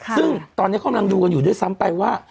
ซึ่งตอนนี้กำลังดูกันอยู่ด้วยซ้ำไปว่า